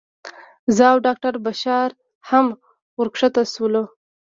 زه او ډاکټره بشرا هم ورښکته شولو.